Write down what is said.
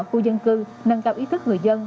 khu dân cư nâng cao ý thức người dân